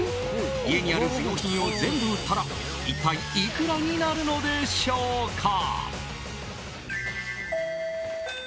家にある不用品を全部売ったら一体いくらになるのでしょうか。